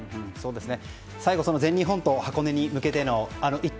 最後その全日本と箱根に向けてのイット！